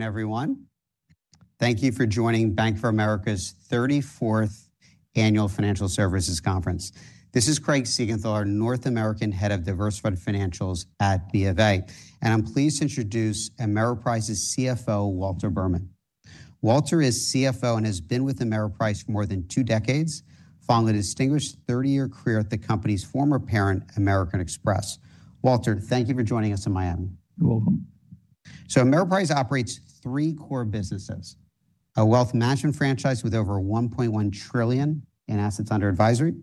Everyone. Thank you for joining Bank of America’s 34th Annual Financial Services Conference. This is Craig Siegenthaler, our North American Head of Diversified Financials at BofA, and I’m pleased to introduce Ameriprise’s CFO, Walter Berman. Walter is CFO and has been with Ameriprise for more than two decades, following a distinguished 30-year career at the company’s former parent, American Express. Walter, thank you for joining us in Miami. You're welcome. So Ameriprise operates three core businesses: a wealth management franchise with over $1.1 trillion in assets under advisory,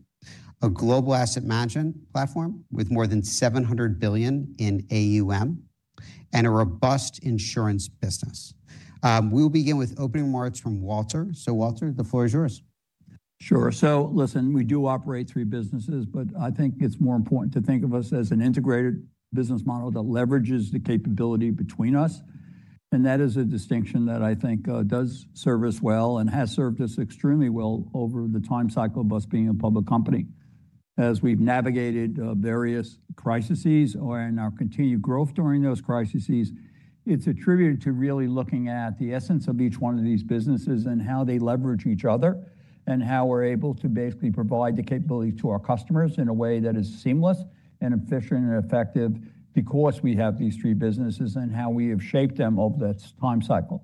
a global asset management platform with more than $700 billion in AUM, and a robust insurance business. We'll begin with opening remarks from Walter. So Walter, the floor is yours. Sure. So listen, we do operate three businesses, but I think it's more important to think of us as an integrated business model that leverages the capability between us, and that is a distinction that I think does serve us well and has served us extremely well over the time cycle of us being a public company. As we've navigated various crises or in our continued growth during those crises, it's attributed to really looking at the essence of each one of these businesses and how they leverage each other, and how we're able to basically provide the capability to our customers in a way that is seamless and efficient and effective because we have these three businesses and how we have shaped them over this time cycle.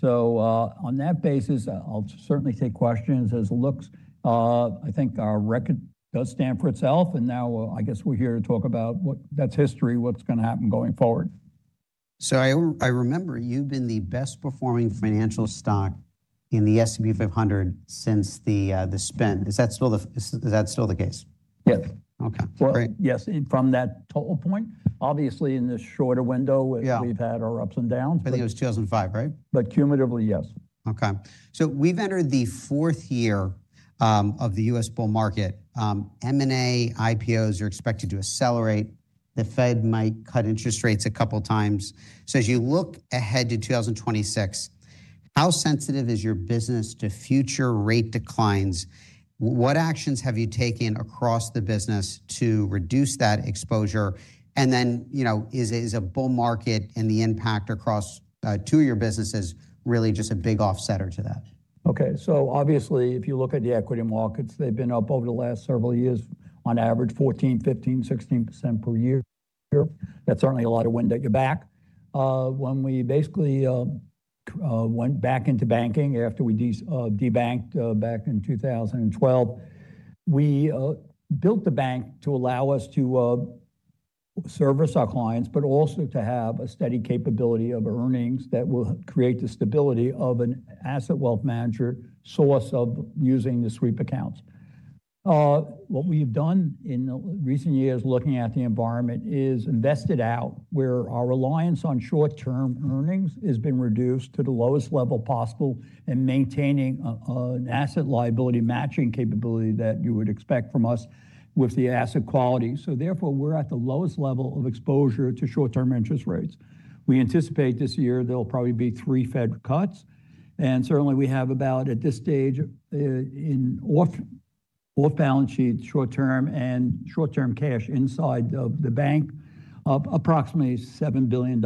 So, on that basis, I'll certainly take questions as it looks. I think our record does stand for itself, and now I guess we're here to talk about what, that's history, what's going to happen going forward. So, I remember you've been the best-performing financial stock in the S&P 500 since the spin. Is that still the case? Yes. Okay, great. Well, yes, from that total point, obviously, in the shorter window- Yeah We've had our ups and downs. I think it was 2005, right? But cumulatively, yes. Okay. So we've entered the fourth year of the U.S. bull market. M&A, IPOs are expected to accelerate. The Fed might cut interest rates a couple of times. So as you look ahead to 2026, how sensitive is your business to future rate declines? What actions have you taken across the business to reduce that exposure? And then, you know, is a bull market and the impact across to your businesses, really just a big offsetter to that? Okay, so obviously, if you look at the equity markets, they've been up over the last several years, on average, 14, 15, 16% per year. That's certainly a lot of wind at your back. When we basically went back into banking after we de-banked back in 2012, we built the bank to allow us to service our clients, but also to have a steady capability of earnings that will create the stability of an asset wealth manager source of using the sweep accounts. What we've done in the recent years, looking at the environment, is invested out where our reliance on short-term earnings has been reduced to the lowest level possible and maintaining an asset liability matching capability that you would expect from us with the asset quality. So therefore, we're at the lowest level of exposure to short-term interest rates. We anticipate this year there will probably be 3 Fed cuts, and certainly, we have about, at this stage, in off-balance sheet, short-term and short-term cash inside of the bank, of approximately $7 billion,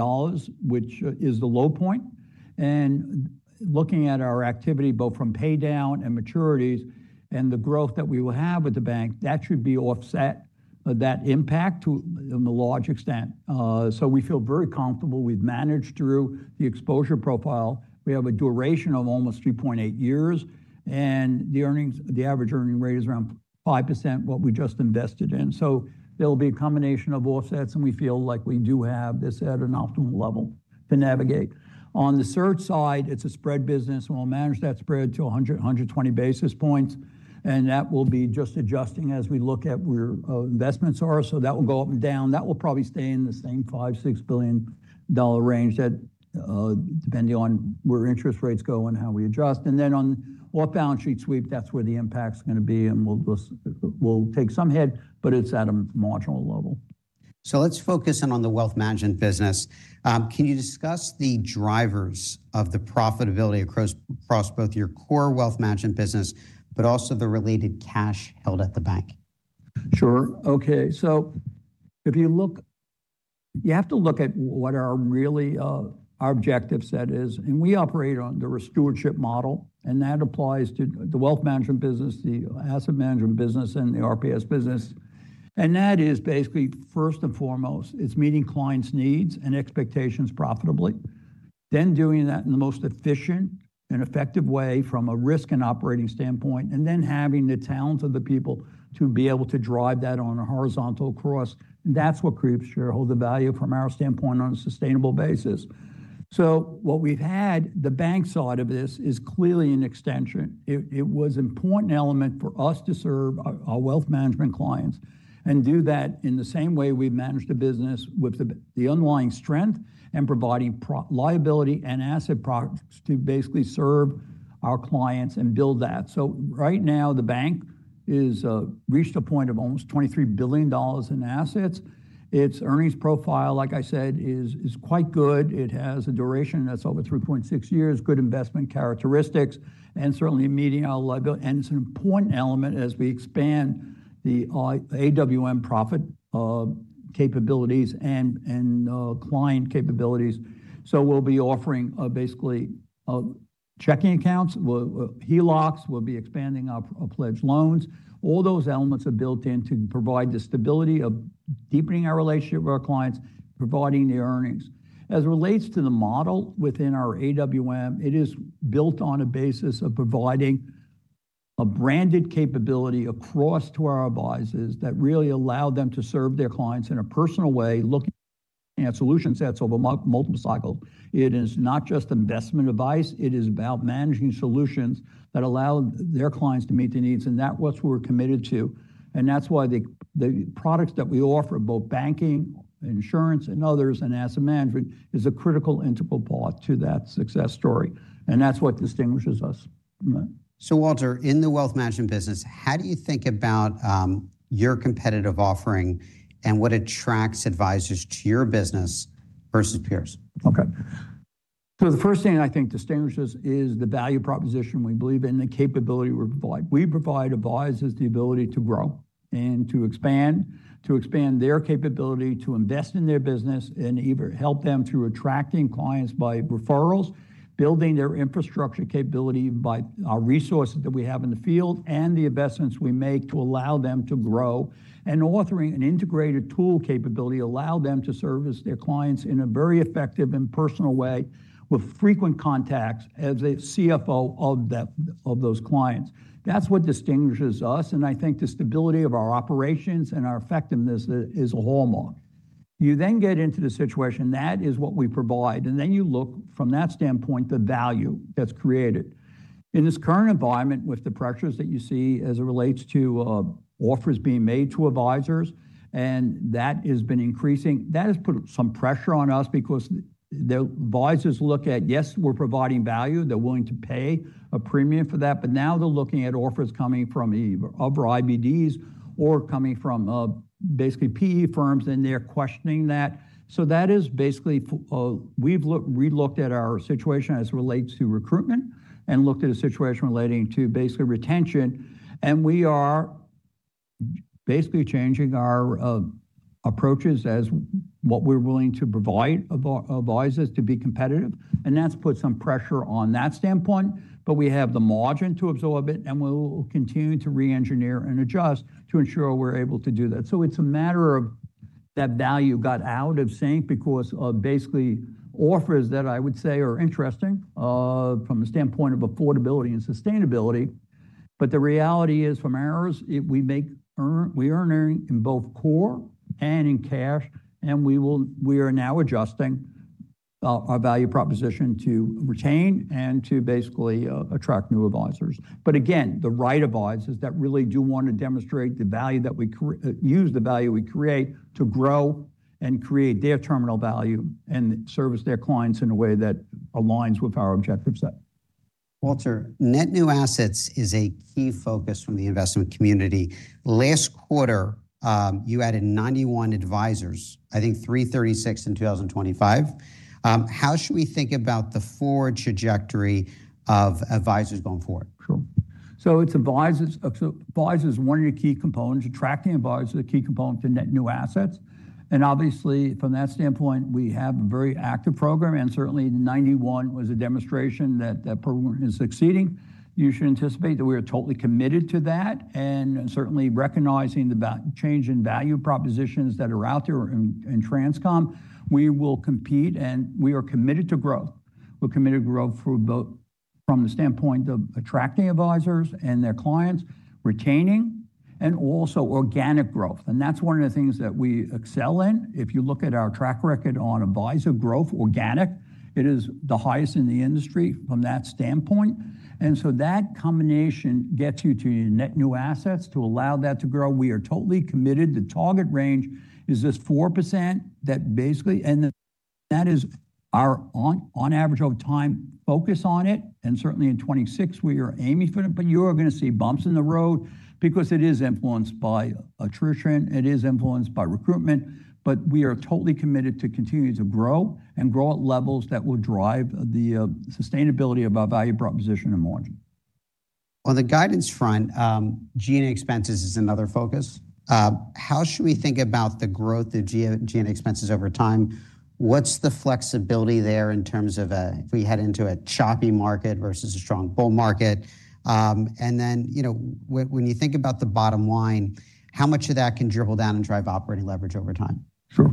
which is the low point. And looking at our activity, both from paydown and maturities and the growth that we will have with the bank, that should be offset that impact to, in a large extent. So we feel very comfortable. We've managed through the exposure profile. We have a duration of almost 3.8 years, and the earnings, the average earning rate is around 5%, what we just invested in. So there'll be a combination of offsets, and we feel like we do have this at an optimal level to navigate. On the sweep side, it's a spread business, and we'll manage that spread to 100-120 basis points, and that will be just adjusting as we look at where investments are. So that will go up and down. That will probably stay in the same $5-$6 billion range that, depending on where interest rates go and how we adjust. And then on off-balance sheet sweep, that's where the impact is gonna be, and we'll just take some hit, but it's at a marginal level. So let's focus in on the wealth management business. Can you discuss the drivers of the profitability across both your core wealth management business, but also the related cash held at the bank? Sure. Okay, so if you look... You have to look at what are really our objective set is, and we operate on the stewardship model, and that applies to the wealth management business, the asset management business, and the RPS business. And that is basically, first and foremost, it's meeting clients' needs and expectations profitably, then doing that in the most efficient and effective way from a risk and operating standpoint, and then having the talent of the people to be able to drive that on a horizontal cross. That's what creates shareholder value from our standpoint on a sustainable basis. So what we've had, the bank side of this, is clearly an extension. It was an important element for us to serve our wealth management clients and do that in the same way we've managed a business with the underlying strength and providing liability and asset products to basically serve our clients and build that. So right now, the bank has reached a point of almost $23 billion in assets. Its earnings profile, like I said, is quite good. It has a duration that's over 3.6 years, good investment characteristics, and certainly meeting our goals. And it's an important element as we expand our AWM profitability capabilities and client capabilities. So we'll be offering basically checking accounts, HELOCs, we'll be expanding our pledge loans. All those elements are built in to provide the stability of deepening our relationship with our clients, providing the earnings. As it relates to the model within our AWM, it is built on a basis of providing a branded capability across to our advisors that really allow them to serve their clients in a personal way, looking at solution sets over multiple cycles. It is not just investment advice, it is about managing solutions that allow their clients to meet their needs, and that's what we're committed to. That's why the products that we offer, both banking, insurance, and others, and asset management, is a critical integral part to that success story, and that's what distinguishes us. So Walter, in the wealth management business, how do you think about your competitive offering and what attracts advisors to your business versus peers? Okay. So the first thing I think distinguishes is the value proposition we believe in, the capability we provide. We provide advisors the ability to grow and to expand, to expand their capability to invest in their business, and either help them through attracting clients by referrals, building their infrastructure capability by our resources that we have in the field, and the investments we make to allow them to grow. And offering an integrated tool capability allow them to service their clients in a very effective and personal way, with frequent contacts as a CFO of the, of those clients. That's what distinguishes us, and I think the stability of our operations and our effectiveness is a hallmark. You then get into the situation, that is what we provide, and then you look from that standpoint, the value that's created. In this current environment, with the pressures that you see as it relates to offers being made to advisors, and that has been increasing. That has put some pressure on us because the advisors look at, yes, we're providing value, they're willing to pay a premium for that, but now they're looking at offers coming from either other IBDs or coming from basically PE firms, and they're questioning that. So that is basically... We've looked, relooked at our situation as it relates to recruitment, and looked at a situation relating to basically retention, and we are basically changing our approaches as what we're willing to provide advisors to be competitive, and that's put some pressure on that standpoint. But we have the margin to absorb it, and we'll continue to re-engineer and adjust to ensure we're able to do that. So it's a matter of that value got out of sync because of basically offers that I would say are interesting from a standpoint of affordability and sustainability. But the reality is, from ours, we are earning in both core and in cash, and we are now adjusting our value proposition to retain and to basically attract new advisors. But again, the right advisors that really do want to demonstrate the value that we create to grow and create their terminal value and service their clients in a way that aligns with our objective set. Walter, net new assets is a key focus from the investment community. Last quarter, you added 91 advisors, I think 336 in 2025. How should we think about the forward trajectory of advisors going forward? Sure. So it's advisors, so advisors is one of your key components. Attracting advisors is a key component to net new assets, and obviously from that standpoint, we have a very active program, and certainly 91 was a demonstration that the program is succeeding. You should anticipate that we are totally committed to that, and certainly recognizing the various changes in value propositions that are out there in the channel, we will compete, and we are committed to growth. We're committed to growth from both, from the standpoint of attracting advisors and their clients, retaining, and also organic growth, and that's one of the things that we excel in. If you look at our track record on advisor growth, organic, it is the highest in the industry from that standpoint. And so that combination gets you to your net new assets to allow that to grow. We are totally committed. The target range is this 4% that basically, and then that is our on average over time, focus on it, and certainly in 2026, we are aiming for it. But you are going to see bumps in the road because it is influenced by attrition, it is influenced by recruitment, but we are totally committed to continuing to grow, and grow at levels that will drive the, sustainability of our value proposition and margin. On the guidance front, G&A expenses is another focus. How should we think about the growth of G&A expenses over time? What's the flexibility there in terms of if we head into a choppy market versus a strong bull market? And then, you know, when you think about the bottom line, how much of that can dribble down and drive operating leverage over time? Sure.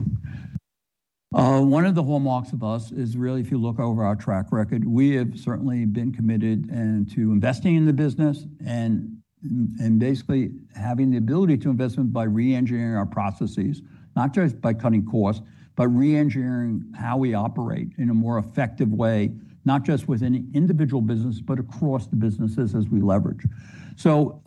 One of the hallmarks of us is really if you look over our track record, we have certainly been committed, and to investing in the business and basically having the ability to investment by re-engineering our processes. Not just by cutting costs, but re-engineering how we operate in a more effective way, not just within individual businesses, but across the businesses as we leverage. So,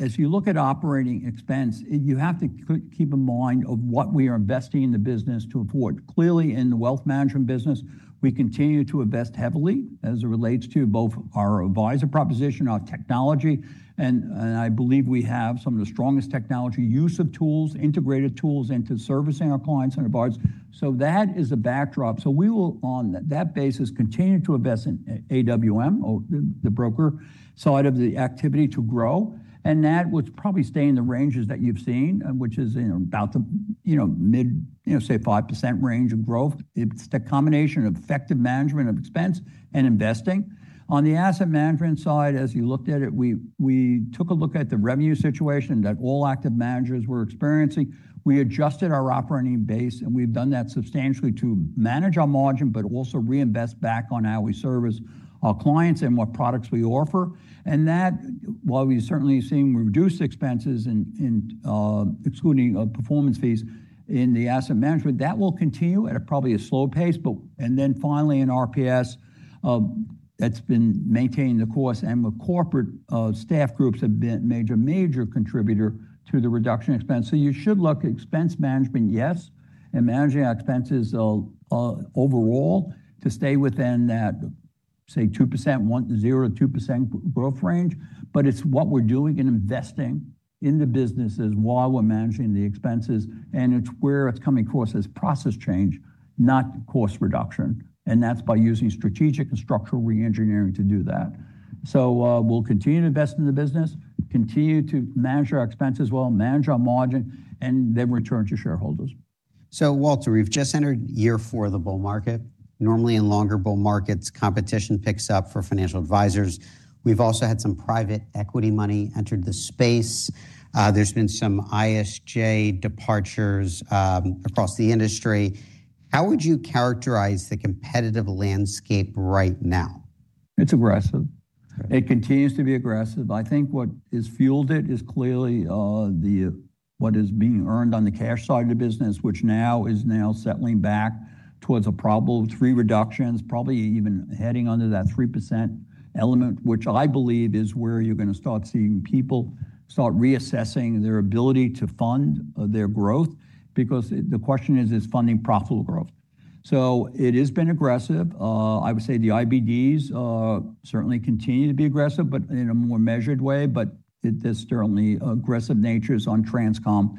as you look at operating expense, you have to keep in mind of what we are investing in the business to afford. Clearly, in the wealth management business, we continue to invest heavily as it relates to both our advisor proposition, our technology, and I believe we have some of the strongest technology, use of tools, integrated tools into servicing our clients and our advisors. So that is a backdrop. So we will, on that basis, continue to invest in AWM or the broker side of the activity to grow, and that would probably stay in the ranges that you've seen, which is, you know, about the, you know, mid, you know, say, 5% range of growth. It's the combination of effective management of expense and investing. On the asset management side, as you looked at it, we took a look at the revenue situation that all active managers were experiencing. We adjusted our operating base, and we've done that substantially to manage our margin, but also reinvest back on how we service our clients and what products we offer. And that, while we've certainly seen reduced expenses and, excluding performance fees in the asset management, that will continue at probably a slow pace, but. And then finally, in RPS, that's been maintaining the course, and the corporate staff groups have been major contributor to the reduction in expense. So you should look at expense management, yes, and managing our expenses overall to stay within that, say, 2%, 0%-2% growth range. But it's what we're doing and investing in the businesses while we're managing the expenses, and it's where it's coming across as process change, not cost reduction, and that's by using strategic and structural re-engineering to do that. So, we'll continue to invest in the business, continue to manage our expenses well, manage our margin, and then return to shareholders. So Walter, we've just entered year 4 of the bull market. Normally, in longer bull markets, competition picks up for financial advisors. We've also had some private equity money entered the space. There's been some IBD departures across the industry. How would you characterize the competitive landscape right now? It's aggressive. Okay. It continues to be aggressive. I think what has fueled it is clearly the what is being earned on the cash side of the business, which now is now settling back towards a probable three reductions, probably even heading under that 3% element, which I believe is where you're gonna start seeing people start reassessing their ability to fund their growth, because the question is: Is funding profitable growth? So it has been aggressive. I would say the IBDs certainly continue to be aggressive, but in a more measured way, but it is certainly aggressive in nature on transactions.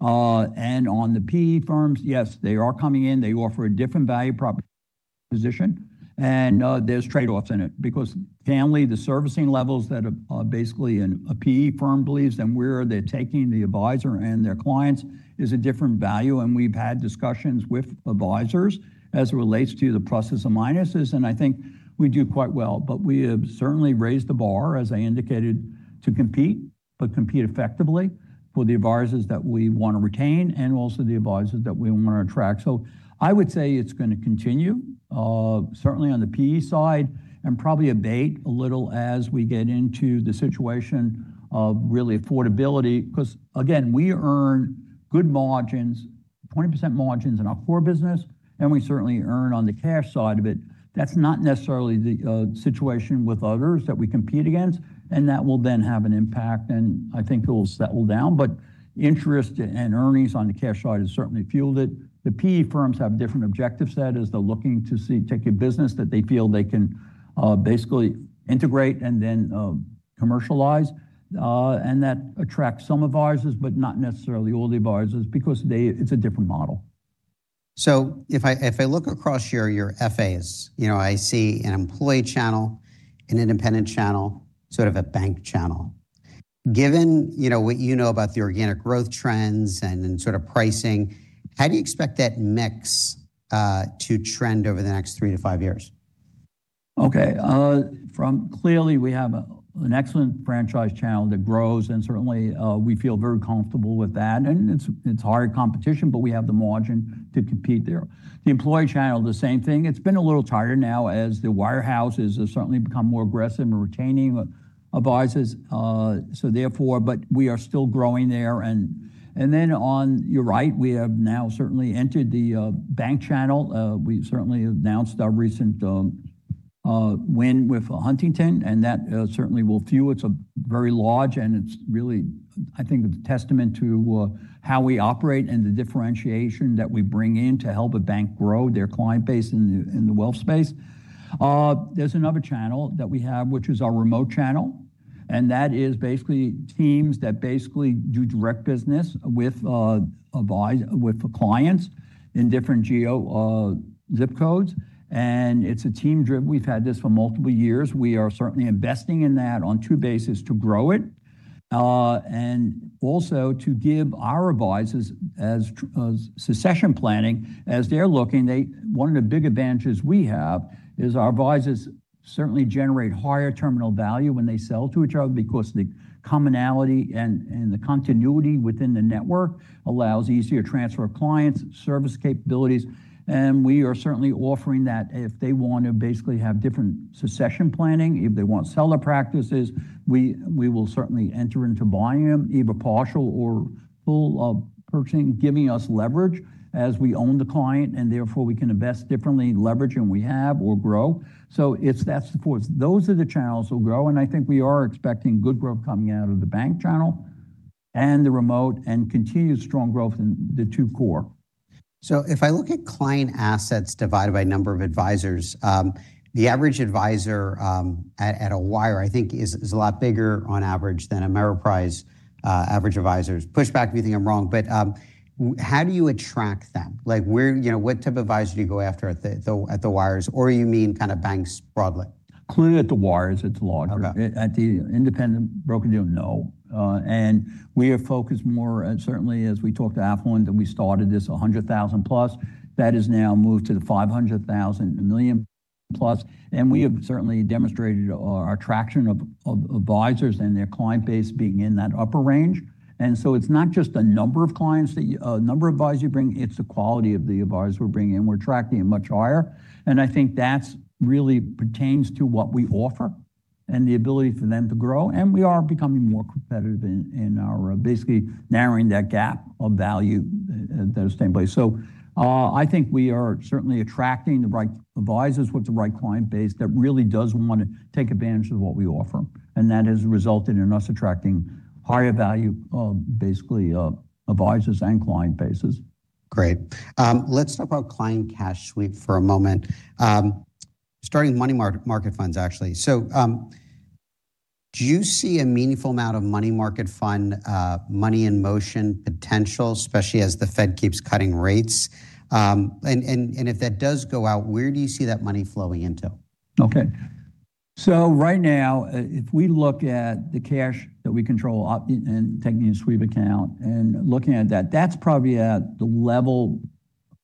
And on the PE firms, yes, they are coming in. They offer a different value proposition, and there's trade-offs in it because family, the servicing levels that are basically in a PE firm believes, and where they're taking the advisor and their clients, is a different value, and we've had discussions with advisors as it relates to the pluses and minuses, and I think we do quite well. But we have certainly raised the bar, as I indicated, to compete, but compete effectively for the advisors that we want to retain and also the advisors that we want to attract. So I would say it's gonna continue, certainly on the PE side, and probably abate a little as we get into the situation of really affordability, 'cause, again, we earn good margins, 20% margins in our core business, and we certainly earn on the cash side of it. That's not necessarily the situation with others that we compete against, and that will then have an impact, and I think it will settle down. But interest and earnings on the cash side has certainly fueled it. The PE firms have different objective set, as they're looking to see, take a business that they feel they can basically integrate and then commercialize. And that attracts some advisors, but not necessarily all the advisors, because they—it's a different model. So if I, if I look across your, your FAs, you know, I see an employee channel, an independent channel, sort of a bank channel. Given, you know, what you know about the organic growth trends and then sort of pricing, how do you expect that mix to trend over the next three to five years? Okay, from clearly, we have a, an excellent franchise channel that grows, and certainly, we feel very comfortable with that. And it's, it's hard competition, but we have the margin to compete there. The employee channel, the same thing. It's been a little tighter now as the wirehouses have certainly become more aggressive in retaining advisors. So therefore, but we are still growing there. And, and then on... You're right, we have now certainly entered the bank channel. We certainly announced our recent win with Huntington, and that certainly will fuel. It's a very large, and it's really, I think, a testament to how we operate and the differentiation that we bring in to help a bank grow their client base in the wealth space. There's another channel that we have, which is our remote channel, and that is basically teams that basically do direct business with advisors with the clients in different geo zip codes, and it's a team drive. We've had this for multiple years. We are certainly investing in that on two bases: to grow it, and also to give our advisors true succession planning. As they're looking, one of the big advantages we have is our advisors certainly generate higher terminal value when they sell to each other because the commonality and the continuity within the network allows easier transfer of clients, service capabilities. We are certainly offering that if they want to basically have different succession planning, if they want to sell their practices, we will certainly enter into buying them, either partial or full purchase, giving us leverage as we own the client, and therefore we can invest differently, leverage, and grow. So it's, that's the focus. Those are the channels that will grow, and I think we are expecting good growth coming out of the bank channel and the remote and continued strong growth in the two core. So if I look at client assets divided by number of advisors, the average advisor at a wire, I think, is a lot bigger on average than Ameriprise average advisors. Push back if you think I'm wrong, but how do you attract them? Like, where, you know, what type of advisor do you go after at the wires? Or you mean kind of banks broadly? Clearly, at the wires, it's larger. Okay. At the independent broker-dealer, no. And we are focused more, and certainly as we talked to affluent, and we started this 100,000 plus, that has now moved to 500,000, 1 million plus. We have certainly demonstrated our traction of advisors and their client base being in that upper range. So it's not just the number of clients that you number of advisors you bring, it's the quality of the advisors we're bringing in. We're attracting a much higher, and I think that's really pertains to what we offer and the ability for them to grow, and we are becoming more competitive in our basically narrowing that gap of value that is taking place. So, I think we are certainly attracting the right advisors with the right client base that really does want to take advantage of what we offer, and that has resulted in us attracting higher value, basically, advisors and client bases. Great. Let's talk about client cash sweep for a moment. Starting money market funds, actually. So, do you see a meaningful amount of money market fund money in motion potential, especially as the Fed keeps cutting rates? And if that does go out, where do you see that money flowing into? Okay. So right now, if we look at the cash that we control, and taking a sweep account and looking at that, that's probably at the level,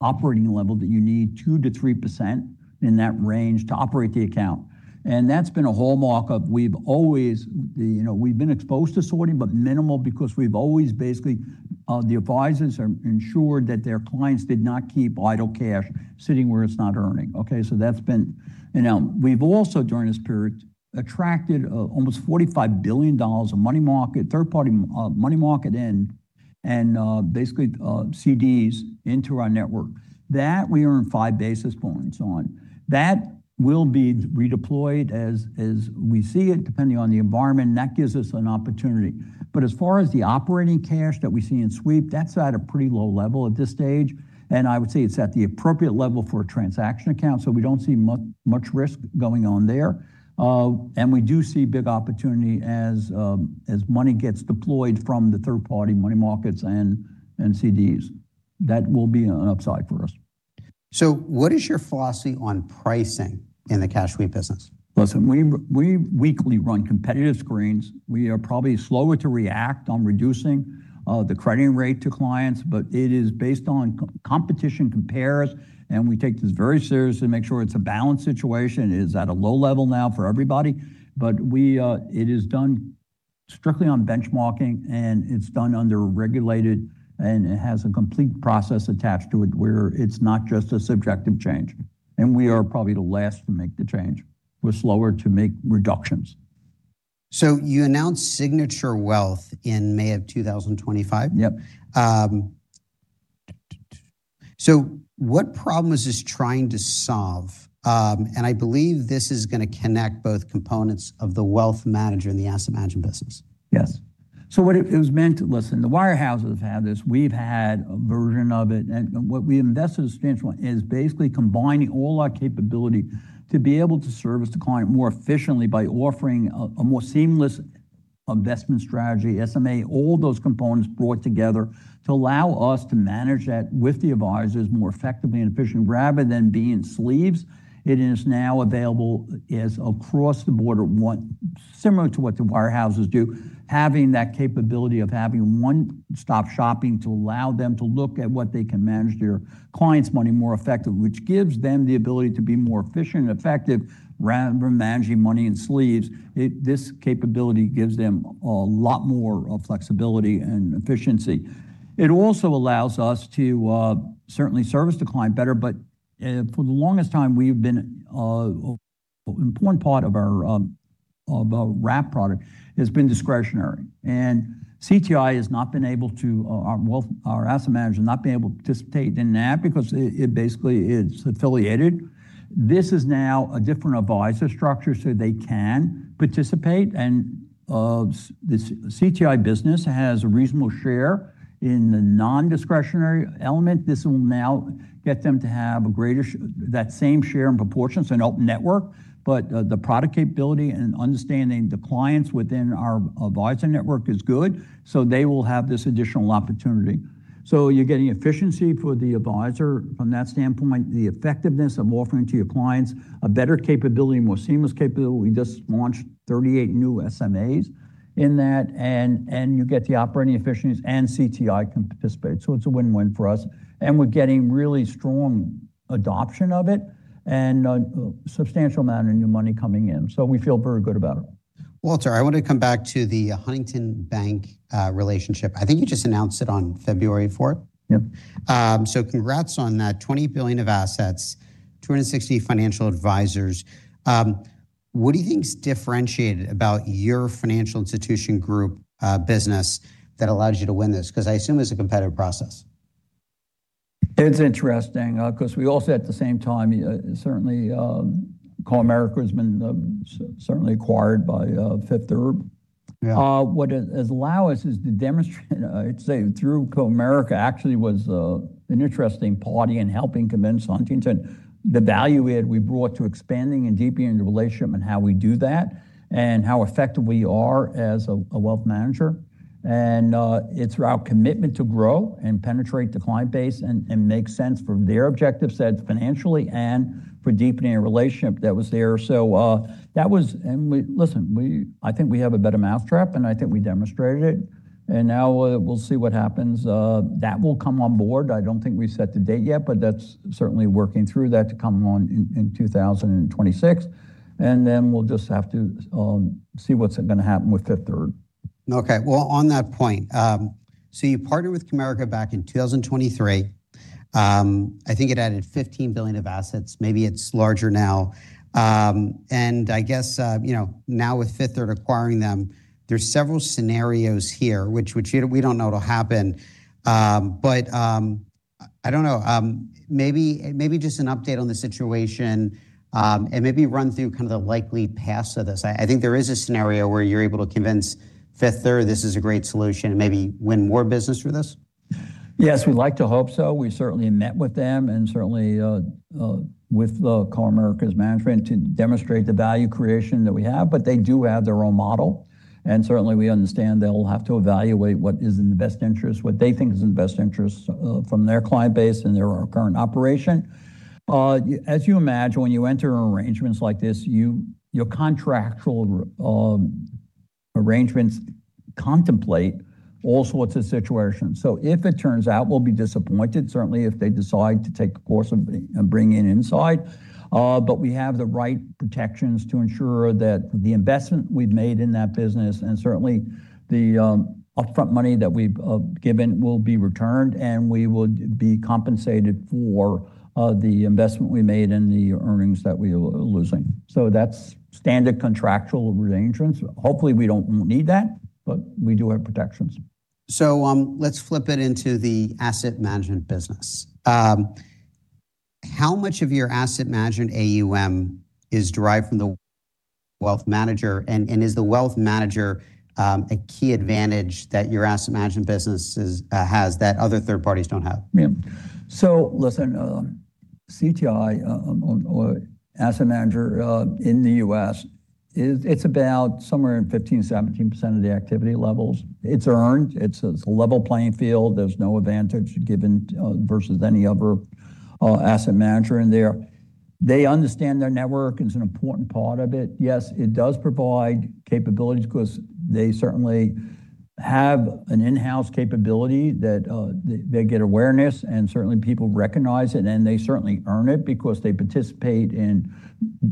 operating level, that you need 2%-3% in that range to operate the account, and that's been a hallmark of we've always, the, you know, we've been exposed to sorting, but minimal because we've always basically, the advisors are ensured that their clients did not keep idle cash sitting where it's not earning. Okay, so that's been. And now, we've also, during this period, attracted almost $45 billion of money market, third-party money market in and, basically, CDs into our network. That we earn five basis points on. That will be redeployed as, as we see it, depending on the environment, and that gives us an opportunity. But as far as the operating cash that we see in sweep, that's at a pretty low level at this stage, and I would say it's at the appropriate level for a transaction account, so we don't see much risk going on there. And we do see big opportunity as money gets deployed from the third-party money markets and CDs. That will be an upside for us. So what is your philosophy on pricing in the cash sweep business? Listen, we weekly run competitive screens. We are probably slower to react on reducing the crediting rate to clients, but it is based on competition compares, and we take this very seriously to make sure it's a balanced situation. It is at a low level now for everybody, but it is done strictly on benchmarking, and it's done under regulated, and it has a complete process attached to it, where it's not just a subjective change. We are probably the last to make the change. We're slower to make reductions. You announced Signature Wealth in May of 2025? Yep. What problem is this trying to solve? I believe this is gonna connect both components of the wealth manager and the asset management business. Yes. So, listen, the wirehouses have had this. We've had a version of it, and what we invested substantially is basically combining all our capability to be able to service the client more efficiently by offering a more seamless investment strategy, SMA, all those components brought together to allow us to manage that with the advisors more effectively and efficiently. Rather than being sleeves, it is now available across the board or similar to what the wirehouses do, having that capability of having one-stop shopping to allow them to look at what they can manage their clients' money more effective, which gives them the ability to be more efficient and effective rather than managing money in sleeves. This capability gives them a lot more flexibility and efficiency. It also allows us to certainly service the client better, but for the longest time, we've been an important part of our wrap product has been discretionary. And CTI has not been able to, our wealth, our asset managers not been able to participate in that because it, it basically is affiliated. This is now a different advisor structure, so they can participate, and this CTI business has a reasonable share in the non-discretionary element. This will now get them to have a greater that same share and proportions, an open network, but the product capability and understanding the clients within our advisor network is good, so they will have this additional opportunity. So you're getting efficiency for the advisor from that standpoint, the effectiveness of offering to your clients a better capability, more seamless capability. We just launched 38 new SMAs in that, and you get the operating efficiencies, and CTI can participate. So it's a win-win for us, and we're getting really strong adoption of it and a substantial amount of new money coming in. So we feel very good about it. Walter, I want to come back to the Huntington Bank relationship. I think you just announced it on February fourth. Yep. Congrats on that. $20 billion of assets, 260 financial advisors. What do you think is differentiated about your Financial Institutions Group business that allowed you to win this? Because I assume it's a competitive process. It's interesting, because we also, at the same time, certainly, Comerica has been certainly acquired by Fifth Third. What it has allowed us is to demonstrate, I'd say through Comerica actually was an interesting party in helping convince Huntington the value we had, we brought to expanding and deepening the relationship and how we do that, and how effective we are as a wealth manager. And it's our commitment to grow and penetrate the client base and make sense from their objective set financially and for deepening a relationship that was there. So that was- And we- listen, we- I think we have a better mousetrap, and I think we demonstrated it, and now we'll see what happens. That will come on board. I don't think we've set the date yet, but that's certainly working through that to come on in 2026, and then we'll just have to see what's going to happen with Fifth Third. Okay. Well, on that point, so you partnered with Comerica back in 2023. I think it added $15 billion of assets. Maybe it's larger now. And I guess, you know, now with Fifth Third acquiring them, there's several scenarios here which we don't know what'll happen. But I don't know, maybe just an update on the situation, and maybe run through kind of the likely paths of this. I think there is a scenario where you're able to convince Fifth Third this is a great solution and maybe win more business through this. Yes, we'd like to hope so. We certainly met with them and certainly with Comerica's management, to demonstrate the value creation that we have. But they do have their own model, and certainly, we understand they'll have to evaluate what is in the best interest, what they think is in the best interest from their client base and their current operation. As you imagine, when you enter arrangements like this, you, your contractual arrangements contemplate all sorts of situations. So if it turns out, we'll be disappointed, certainly if they decide to take a course of, and bring in inside. But we have the right protections to ensure that the investment we've made in that business, and certainly the upfront money that we've given, will be returned, and we would be compensated for the investment we made and the earnings that we are losing. So that's standard contractual arrangements. Hopefully, we don't need that, but we do have protections. So, let's flip it into the asset management business. How much of your asset management AUM is derived from the wealth manager, and is the wealth manager a key advantage that your asset management business has, that other third parties don't have? Yeah. So listen, CTI asset manager in the US is, it's about somewhere in 15%-17% of the activity levels. It's earned, it's a level playing field. There's no advantage given versus any other asset manager in there. They understand their network is an important part of it. Yes, it does provide capabilities, 'cause they certainly have an in-house capability that they get awareness, and certainly people recognize it, and they certainly earn it because they participate in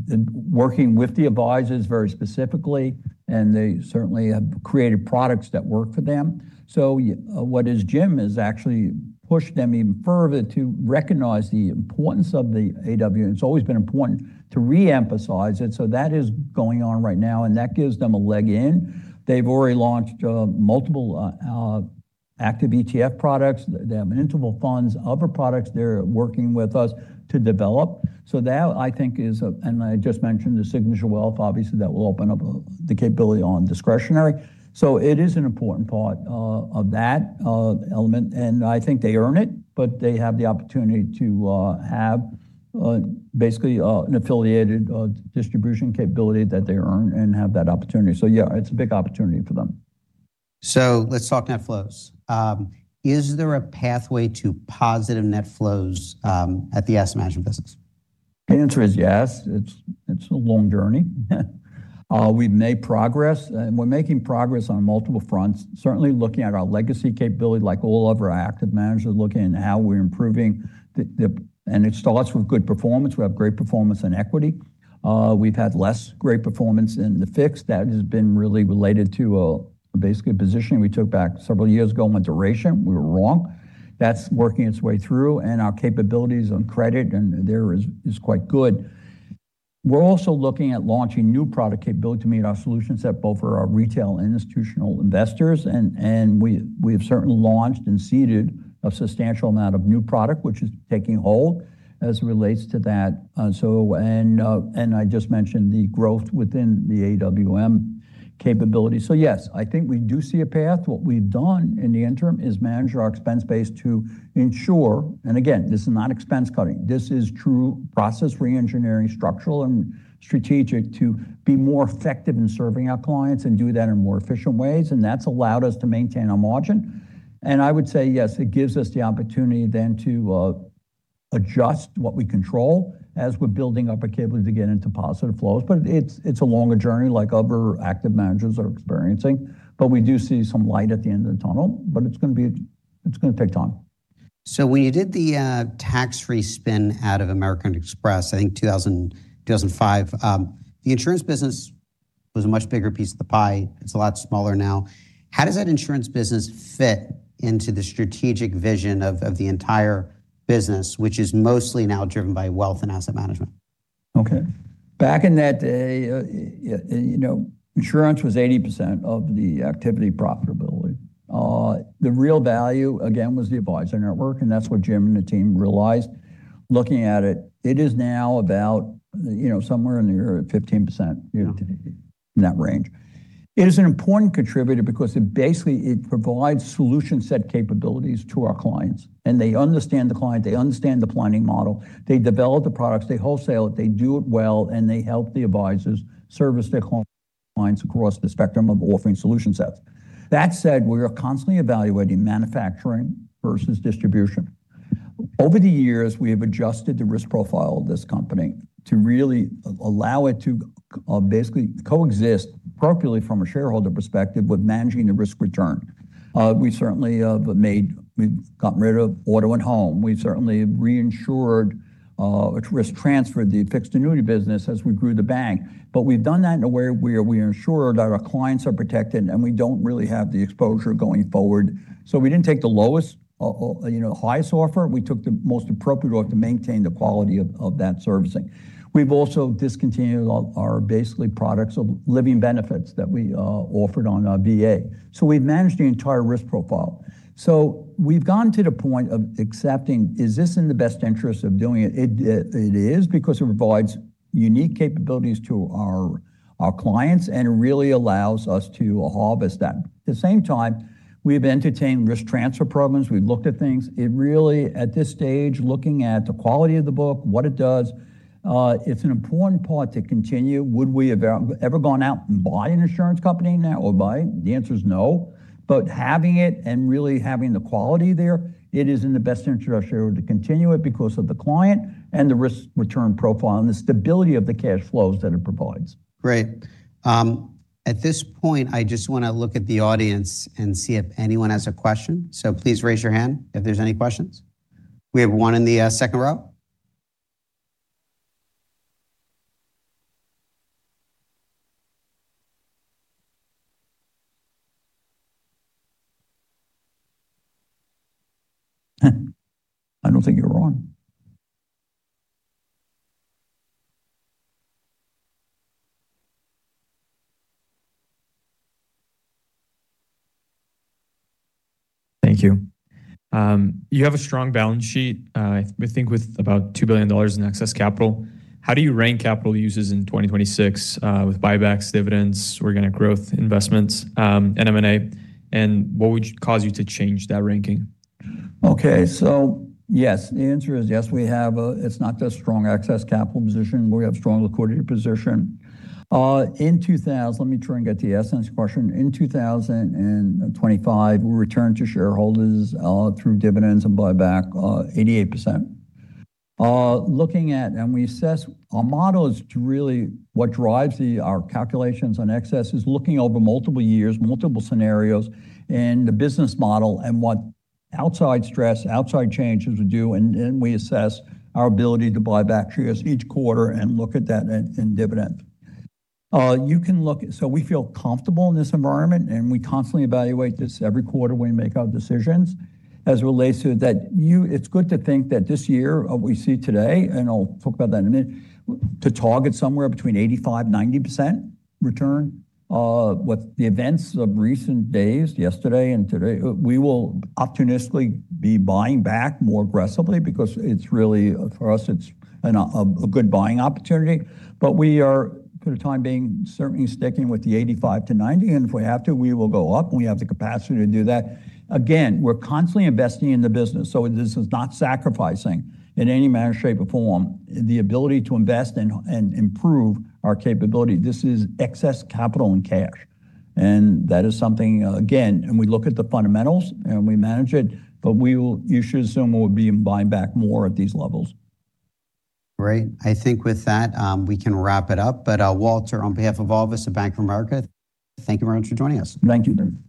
the working with the advisors very specifically, and they certainly have created products that work for them. So what Jim has actually pushed them even further to recognize the importance of the AWM. It's always been important to re-emphasize it, so that is going on right now, and that gives them a leg in. They've already launched multiple active ETF products. They have interval funds, other products they're working with us to develop. So that, I think, is. And I just mentioned the Signature Wealth. Obviously, that will open up the capability on discretionary. So it is an important part of that element, and I think they earn it, but they have the opportunity to have basically an affiliated distribution capability that they earn and have that opportunity. So yeah, it's a big opportunity for them. Let's talk net flows. Is there a pathway to positive net flows at the asset management business? The answer is yes. It's a long journey. We've made progress, and we're making progress on multiple fronts. Certainly, looking at our legacy capability, like all other active managers, looking at how we're improving the. It starts with good performance. We have great performance in equity. We've had less great performance in the fixed. That has been really related to, basically a position we took back several years ago on duration. We were wrong. That's working its way through, and our capabilities on credit and there is quite good. We're also looking at launching new product capability to meet our solutions at both for our retail and institutional investors, and we have certainly launched and seeded a substantial amount of new product, which is taking hold as it relates to that. I just mentioned the growth within the AWM capability. So yes, I think we do see a path. What we've done in the interim is manage our expense base to ensure... Again, this is not expense cutting. This is true process reengineering, structural and strategic, to be more effective in serving our clients and do that in more efficient ways, and that's allowed us to maintain our margin. I would say, yes, it gives us the opportunity then to adjust what we control as we're building up a capability to get into positive flows. But it's a longer journey, like other active managers are experiencing. But we do see some light at the end of the tunnel, but it's gonna take time. So when you did the tax-free spin out of American Express, I think 2005, the insurance business was a much bigger piece of the pie. It's a lot smaller now. How does that insurance business fit into the strategic vision of the entire business, which is mostly now driven by wealth and asset management? Okay. Back in that day, you know, insurance was 80% of the activity profitability.... the real value, again, was the advisor network, and that's what Jim and the team realized. Looking at it, it is now about, you know, somewhere in the area of 15%- Yeah. in that range. It is an important contributor because it basically, it provides solution set capabilities to our clients, and they understand the client, they understand the planning model, they develop the products, they wholesale it, they do it well, and they help the advisors service their clients across the spectrum of offering solution sets. That said, we are constantly evaluating manufacturing versus distribution. Over the years, we have adjusted the risk profile of this company to really allow it to, basically coexist appropriately from a shareholder perspective with managing the risk return. We certainly, we've gotten rid of auto and home. We certainly reinsured, risk transferred the fixed annuity business as we grew the bank. But we've done that in a way where we ensured that our clients are protected, and we don't really have the exposure going forward. So we didn't take the lowest or you know highest offer. We took the most appropriate offer to maintain the quality of that servicing. We've also discontinued our basically products of living benefits that we offered on our VA. So we've managed the entire risk profile. So we've gotten to the point of accepting, is this in the best interest of doing it? It is because it provides unique capabilities to our clients and really allows us to harvest that. At the same time, we've entertained risk transfer programs. We've looked at things. It really, at this stage, looking at the quality of the book, what it does, it's an important part to continue. Would we have ever gone out and buy an insurance company now or buy? The answer is no. But having it and really having the quality there, it is in the best interest of shareholder to continue it because of the client and the risk-return profile and the stability of the cash flows that it provides. Great. At this point, I just want to look at the audience and see if anyone has a question. So please raise your hand if there's any questions. We have one in the second row. I don't think you're wrong. Thank you. You have a strong balance sheet, I think with about $2 billion in excess capital. How do you rank capital uses in 2026, with buybacks, dividends, organic growth investments, and M&A, and what would cause you to change that ranking? Okay, so yes, the answer is yes, we have a... It's not just strong excess capital position. We have strong liquidity position. In 2000, let me try and get the essence question. In 2025, we returned to shareholders through dividends and buyback eighty-eight percent. Looking at, and we assess our models to really what drives the, our calculations on excess is looking over multiple years, multiple scenarios, and the business model and what outside stress, outside changes would do, and then we assess our ability to buy back shares each quarter and look at that in dividend. You can look- so we feel comfortable in this environment, and we constantly evaluate this every quarter when we make our decisions. As it relates to that, it's good to think that this year, we see today, and I'll talk about that in a minute, to target somewhere between 85%-90% return. With the events of recent days, yesterday and today, we will opportunistically be buying back more aggressively because it's really, for us, it's a good buying opportunity. But we are, for the time being, certainly sticking with the 85%-90%, and if we have to, we will go up, and we have the capacity to do that. Again, we're constantly investing in the business, so this is not sacrificing in any manner, shape, or form, the ability to invest and improve our capability. This is excess capital and cash, and that is something, again, and we look at the fundamentals, and we manage it, but you should assume we'll be buying back more at these levels. Great. I think with that, we can wrap it up. But, Walter, on behalf of all of us at Bank of America, thank you very much for joining us. Thank you, Craig. Thank you.